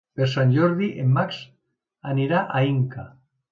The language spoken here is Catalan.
Per Sant Jordi en Max anirà a Inca.